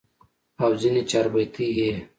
او ځني چاربيتې ئې